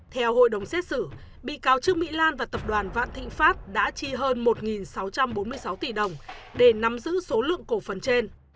theo hội đồng xét xử bị cáo trương mỹ lan và tập đoàn vạn thịnh pháp đã chi hơn một sáu trăm bốn mươi sáu tỷ đồng để nắm giữ số lượng cổ phần trên